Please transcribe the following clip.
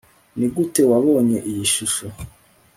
Nigute wabonye iyi shusho